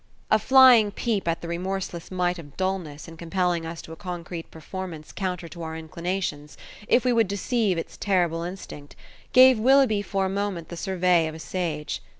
A flying peep at the remorseless might of dulness in compelling us to a concrete performance counter to our inclinations, if we would deceive its terrible instinct, gave Willoughby for a moment the survey of a sage.